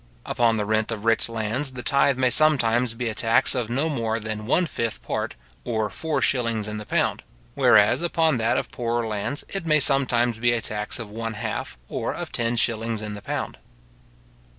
Upon the rent of rich lands the tythe may sometimes be a tax of no more than one fifth part, or four shillings in the pound; whereas upon that of poorer lands, it may sometimes be a tax of one half, or of ten shillings in the pound.